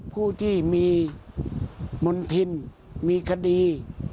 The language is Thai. ผู้ที่มีมณฑินมีคดี